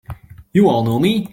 You all know me!